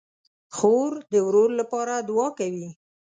خور د ورور لپاره دعا کوي.